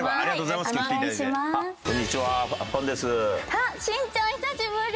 あっ晋ちゃん久しぶり！